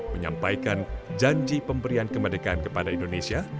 menyampaikan janji pemberian kemerdekaan kepada indonesia